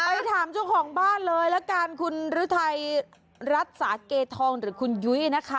ไปถามเจ้าของบ้านเลยละกันคุณฤทัยรัฐสาเกทองหรือคุณยุ้ยนะคะ